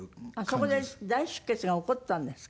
そこで大出血が起こったんですか？